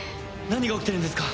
何が起きてるんですか？